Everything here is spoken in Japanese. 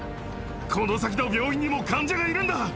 この先の病院にも患者がいるんだ。